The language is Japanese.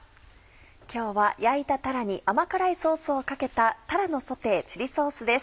今日は焼いたたらに甘辛いソースをかけた「たらのソテーチリソース」です。